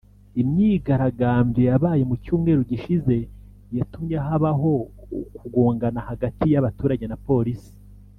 Imyigaragambyo yabaye mu Cyumweru gishize yatumye habaho ukugongana hagati y’abaturage na Polisi